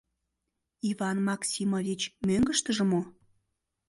— Иван Максимович мӧҥгыштыжӧ мо?